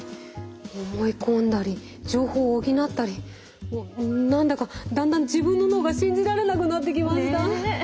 思い込んだり情報を補ったり何だかだんだん自分の脳が信じられなくなってきました。